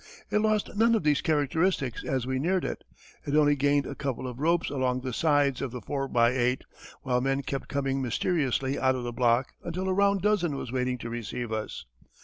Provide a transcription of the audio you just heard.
It lost none of these characteristics as we neared it. It only gained a couple of ropes along the sides of the 4×8, while men kept coming mysteriously out of the block until a round dozen was waiting to receive us.